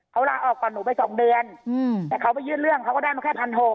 เขาลาออกก่อนหนูไป๒เดือนแต่เขาไปยื่นเรื่องเขาก็ได้มาแค่๑๖๐๐